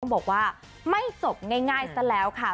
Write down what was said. บอกว่าไม่จบง่ายซะแล้วค่ะ